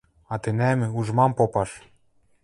А тӹнӓм — уж мам попаш!